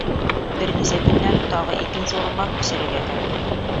Бер нисә көндән тагы икенсе урынға күсерергә кәрәк.